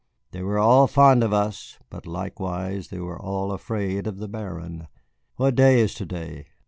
They were all fond of us, but likewise they were all afraid of the Baron. What day is to day?